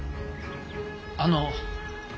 あの。